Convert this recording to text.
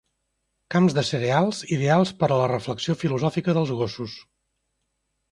Camps de cereals ideals per a la reflexió filosòfica dels gossos.